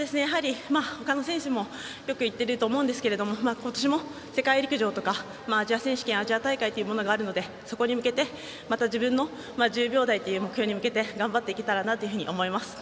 他の選手もよく言っていると思いますが今年も世界陸上だとかアジア選手権があるのでそこに向けて自分の１０秒台という目標に向けて頑張っていけたらと思います。